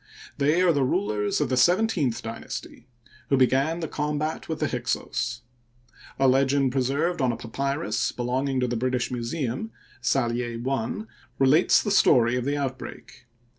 They are the rulers of the seventeenth dynasty who began the combat with the Hyksos. A legend preserved on a papyrus belonging to the British Museum (Sallier I) relates the story of the out break.